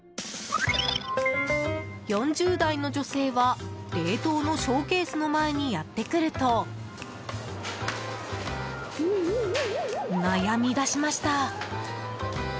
４０代の女性は、冷凍のショーケースの前にやってくると悩み出しました。